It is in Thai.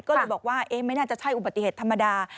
ก็เลยบอกว่าไม่น่าจะใช่อุบัติเหตุธรรมดา